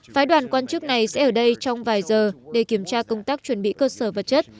phái đoàn quan chức này sẽ ở đây trong vài giờ để kiểm tra công tác chuẩn bị cơ sở vật chất